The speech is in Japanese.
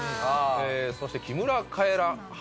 そして木村カエラ派。